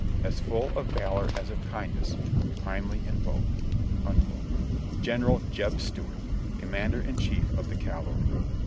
"As full of valor as of kindness, Primely in both." ' General Jeb Stuart ! Commander in Chief of the Cavalry.